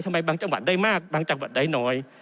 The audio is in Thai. บางจังหวัดได้มากบางจังหวัดได้น้อย